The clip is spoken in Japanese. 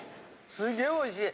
すっげおいしい！